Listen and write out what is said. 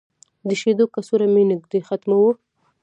د شیدو کڅوړه مې نږدې ختمه وه.